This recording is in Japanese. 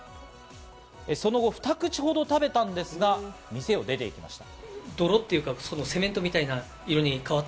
その後、２口ほど食べたんですが、店を出ていきました。